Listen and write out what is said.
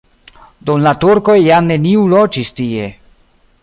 Dum la turkoj jam neniu loĝis tie.